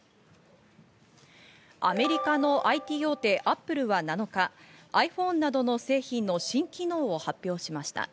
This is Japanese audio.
アメリカのＩＴ大手・Ａｐｐｌｅは７日、ｉＰｈｏｎｅなどの製品の新機能を発表しました。